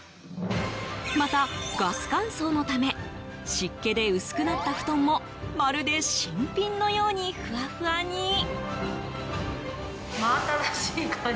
また、ガス乾燥のため湿気で薄くなった布団もまるで新品のようにふわふわに。